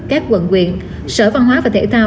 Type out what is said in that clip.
các quận quyện sở văn hóa và thể thao